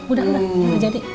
udah beneran gak jadi